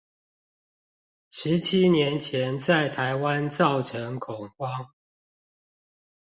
十七年前在台灣造成恐慌